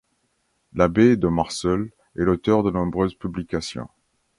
L’abbé de Marseul est l’auteur de nombreuses publications.